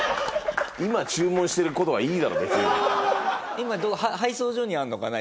今配送所にあるのかな？